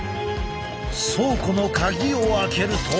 倉庫のカギをあけると。